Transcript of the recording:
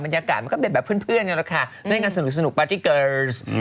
บรรยากาศมันก็ได้แบบเพื่อนด้วยกันสนุกด้วยกันว่าปาร์ตี้เกอร์ด